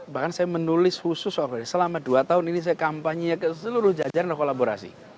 bahkan saya menulis khusus selama dua tahun ini saya kampanye ke seluruh jajaran dan kolaborasi